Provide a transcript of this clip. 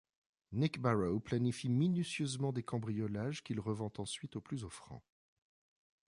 Nick Barrow planifie minutieusement des cambriolages qu'il revend ensuite au plus offrant.